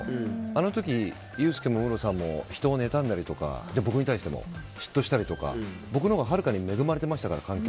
あの時、雄輔もムロさんも人をねたんだりとか僕に対しても、嫉妬したりとか僕のほうが、はるかに環境は恵まれていましたから。